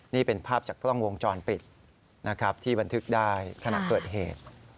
นี่เป็นภาพจากกล้องวงจรปิดนะครับที่บันทึกได้ขณะเกิดเหตุ